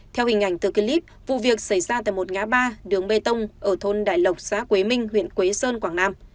theo hình ảnh từ clip vụ việc xảy ra tại một ngã ba đường bê tông ở thôn đại lộc xã quế minh huyện quế sơn quảng nam